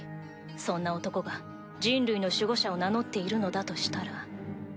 そんな男が人類の守護者を名乗っているのだとしたら。